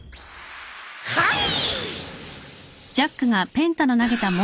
はい！